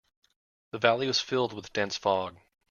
The valley was filled with dense fog.